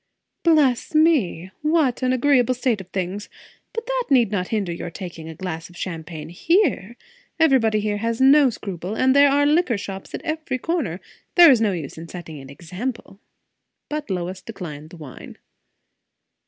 "Bless me! what an agreeable state of things! But that need not hinder your taking a glass of champagne here? Everybody here has no scruple, and there are liquor shops at every corner; there is no use in setting an example." But Lois declined the wine.